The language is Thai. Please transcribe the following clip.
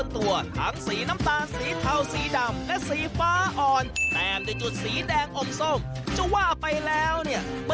ติดตามกันเลย